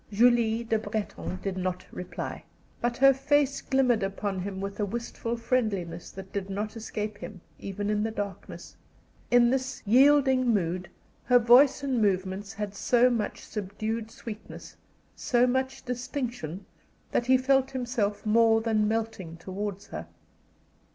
Julie Le Breton did not reply, but her face glimmered upon him with a wistful friendliness that did not escape him, even in the darkness. In this yielding mood her voice and movements had so much subdued sweetness, so much distinction, that he felt himself more than melting towards her.